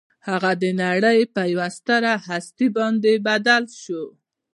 هغه د نړۍ پر یوه ستره هستي باندې بدل شو